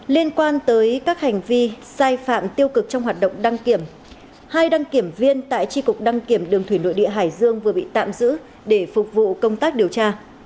liên quan tới các hành vi sai phạm tiêu cực trong hoạt động đăng kiểm hai đăng kiểm viên tại tri cục đăng kiểm đường thủy nội địa hải dương vừa bị tạm giữ để phục vụ công tác điều tra